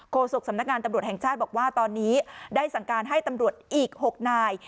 โศกสำนักงานตำรวจแห่งชาติบอกว่าตอนนี้ได้สั่งการให้ตำรวจอีก๖นาย